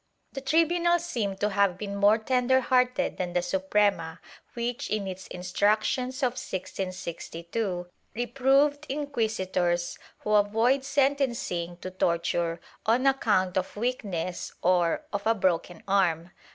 The tribunals seem to have been more tender hearted than the Suprema which, in its instructions of 1662, reproved inquisitors who avoid sentencing to torture on account of weakness or of a broken arm.